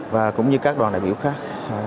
và cũng như các đoàn đại biểu khác